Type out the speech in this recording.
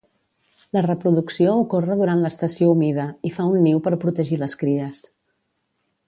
La reproducció ocorre durant l'estació humida i fa un niu per protegir les cries.